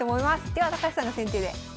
では高橋さんの先手でいきます。